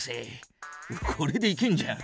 これでいけんじゃん。